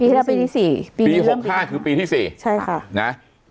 ปีที่แล้วปีที่๔ปีนี้เริ่มปี๖๕คือปีที่๔ใช่ค่ะนะ